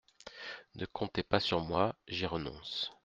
Ne comptez pas sur moi, j'y renonce.